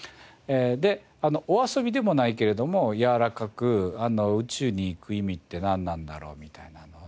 でお遊びでもないけれどもやわらかく宇宙に行く意味ってなんなんだろうみたいな。